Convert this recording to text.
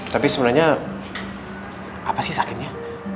tapi sebenarnya apa sih sakitnya